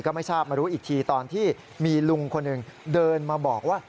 ไม่ทราบมารู้อีกทีตอนที่มีลุงคนหนึ่งเดินมาบอกว่า